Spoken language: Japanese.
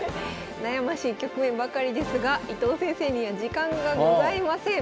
悩ましい局面ばかりですが伊藤先生には時間がございません。